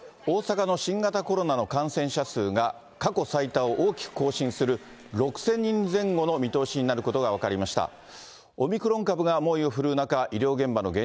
大阪の新型コロナの感染者数が、過去最多を大きく更新する６０００人前後の見通しになることが分かりました。